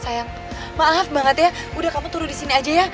sayang maaf banget ya udah kamu turun di sini aja ya